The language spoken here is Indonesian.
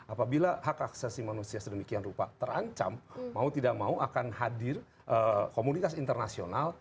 apabila hak aksesi manusia sedemikian rupa terancam mau tidak mau akan hadir komunitas internasional